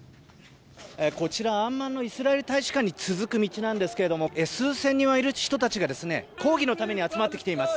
こちらアンマンのイスラエル大使館に続く道なんですが数千人はいる人たちが抗議のために集まってきています。